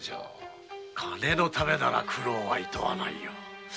金のためなら苦労はいとわないよ。